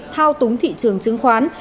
thao túng thị trường chứng khoán